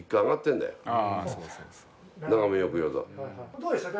「どうでしたか？